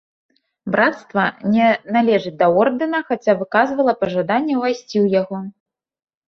Брацтва не належыць да ордэна, хаця выказвала пажаданне ўвайсці ў яго.